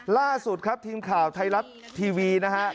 ล่าสุดครับทีมข่าวไทยรัฐทีวีนะฮะ